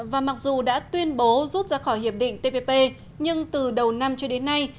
và mặc dù đã tuyên bố rút ra khỏi hiệp định tpp nhưng từ đầu năm cho đến nay